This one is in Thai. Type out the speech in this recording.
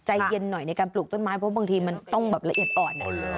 ใจเย็นหน่อยในการปลูกต้นไม้เพราะบางทีมันต้องแบบละเอียดอ่อน